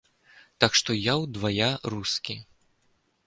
Так што я ўдвая рускі.